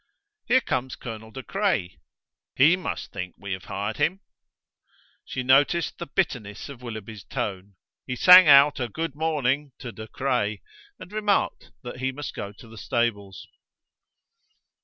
"Here comes Colonel De Craye." "He must think we have hired him!" She noticed the bitterness of Willoughby's tone. He sang out a good morning to De Craye, and remarked that he must go to the stables.